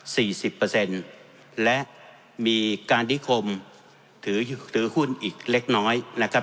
สิบเปอร์เซ็นต์และมีการนิคมถือถือหุ้นอีกเล็กน้อยนะครับ